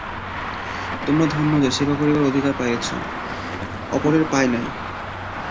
তোমরা ধন্য যে, সেবা করিবার অধিকার পাইয়াছ, অপরে পায় নাই।